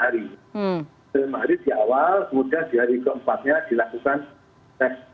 jadi di awal kemudian di hari keempatnya dilakukan test